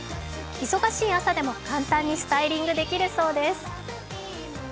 忙しい朝でも簡単にスタイリングできるそうです。